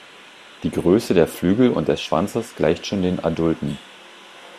Die Größe der Flügel und des Schwanzes gleicht schon den Adulten.